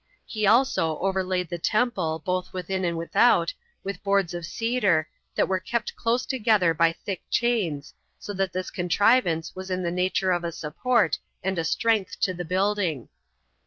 He also overlaid the temple, both within and without, with boards of cedar, that were kept close together by thick chains, so that this contrivance was in the nature of a support and a strength to the building.